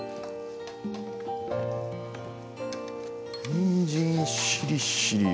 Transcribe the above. にんじんしりしりー